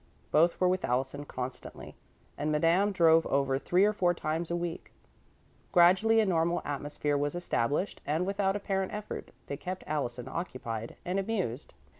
Both were with Allison constantly, and Madame drove over three or four times a week. Gradually a normal atmosphere was established, and, without apparent effort, they kept Allison occupied and amused.